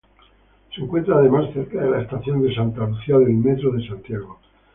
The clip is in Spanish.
Se encuentra además cerca de la estación Santa Lucía del Metro de Santiago.